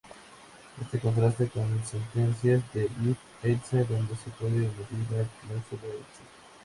Esto contrasta con sentencias de if..else, donde se puede omitir la cláusula else.